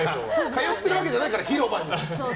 通ってるわけじゃないから広場に。